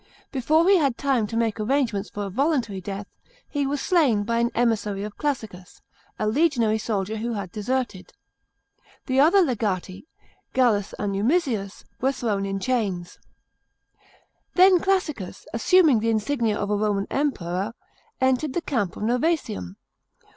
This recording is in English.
Before he had time to make arrangements for a voluntary death, he was slam by an emissary of Classicus— a legionary soldier who had deserted. The other legati, Gallus and Numisius, were thrown in chains. § 8. Then Classicus, assuming the insignia of a Roman Emperor, entered the camp of Novsesium.